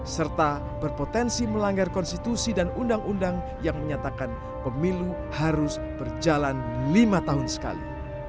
serta berpotensi melanggar konstitusi dan undang undang yang menyatakan pemilu harus berjalan lima tahun sekali